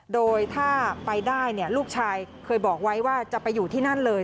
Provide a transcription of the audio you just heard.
โดยถ้าไปได้ลูกชายเคยบอกไว้ว่าจะไปอยู่ที่นั่นเลย